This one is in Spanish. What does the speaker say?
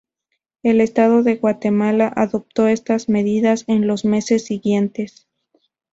El Estado de Guatemala adoptó estas medidas en los meses siguientes.